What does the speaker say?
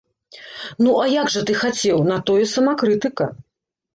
Ну, а як жа ты хацеў, на тое самакрытыка.